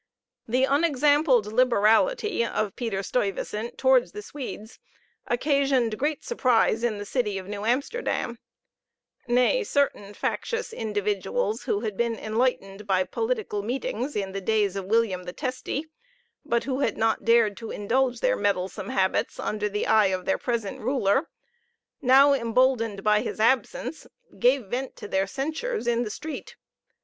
The unexampled liberality of Peter Stuyvesant towards the Swedes occasioned great surprise in the city of New Amsterdam; nay, certain factious individuals, who had been enlightened by political meetings in the days of William the Testy, but who had not dared to indulge their meddlesome habits under the eye of their present ruler, now emboldened by his absence, gave vent to their censures in the street.